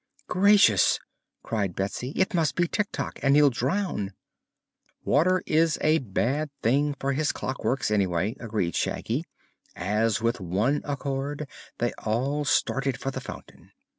"Gracious!" cried Betsy; "it must be Tik Tok, and he'll drown." "Water is a bad thing for his clockworks, anyhow," agreed Shaggy, as with one accord they all started for the fountain.